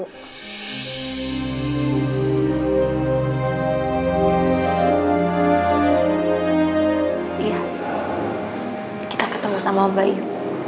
kita ketemu sama om bayu